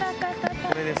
これです